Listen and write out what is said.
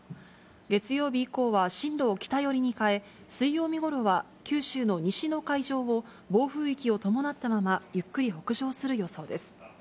月曜日以降は進路を北寄りに変え、水曜日ごろは九州の西の海上を暴風域を伴ったまま、ゆっくり北上する予想です。